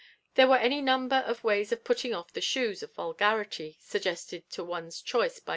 There were any number of ways of 'putting off the shoes' of vulgarity, suggested to one's choice by M.